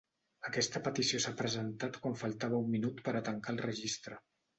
Aquesta petició s’ha presentat quan faltava un minut per a tancar el registre.